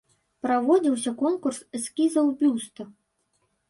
Праводзіўся конкурс эскізаў бюста.